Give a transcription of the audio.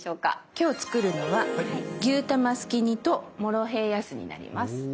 今日作るのは「牛卵すき煮」と「モロヘイヤ酢」になります。